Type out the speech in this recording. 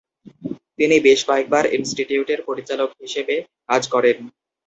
তিনি বেশ কয়েকবার ইনস্টিটিউটের পরিচালক হিসেবে কাজ করেন।